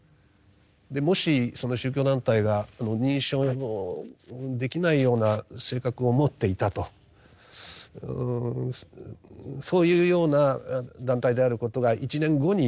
もしその宗教団体が認証できないような性格を持っていたとそういうような団体であることが１年後に判明してもですね